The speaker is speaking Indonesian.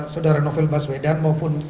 saudara novel maswedan maupun